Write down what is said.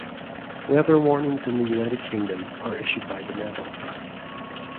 Weather warnings in the United Kingdom are issued by the Met Office.